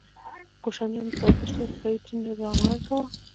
کوشانیانو د زردشتي او بودايي دین درناوی کاوه